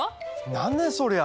何ねそりゃ！